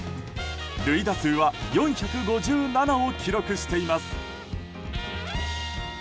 塁打数は４５７を記録しています。